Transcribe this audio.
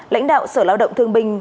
lãnh đạo sở lao động thương binh